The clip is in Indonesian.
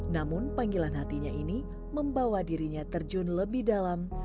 namun panggilan hatinya ini membawa dirinya terjun lebih dalam